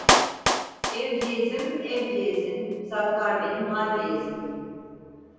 Evceğizim evceğizim, saklar benim halceğizim.